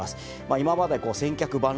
今まで千客万来